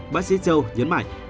bác sĩ châu nhấn mạnh